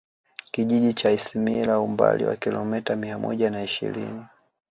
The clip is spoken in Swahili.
Kijiji cha Isimila umbali wa kilomita mia moja na ishirini